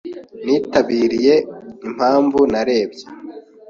Nitabiriye impamvu narebye